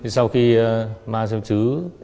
sau khi má diệp chứ